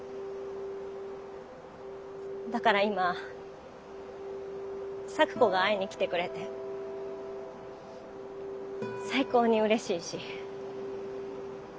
だから今咲子が会いに来てくれて最高に嬉しいし。